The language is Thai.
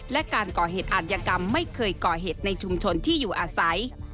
และการก่อเหตุอาจยกรรมไม่เคยก่อเหตุในชุมชนที่อยู่อาศัย